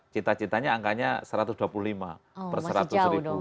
cita citanya angkanya satu ratus dua puluh lima per seratus ribu